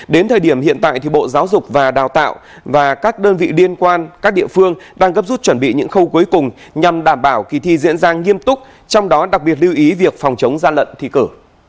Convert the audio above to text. đến thời điểm hiện tại thì bộ giáo dục và đào tạo và các đơn vị liên quan các địa phương đang gấp rút chuẩn bị những khâu cuối cùng nhằm đảm bảo kỳ thi diễn ra nghiêm túc trong đó đặc biệt lưu ý việc phòng chống gian lận thi cử